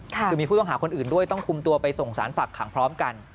คือมีผู้ต้องหาคนอื่นด้วยต้องคุมตัวไปส่งสารฝากขังพร้อมกัน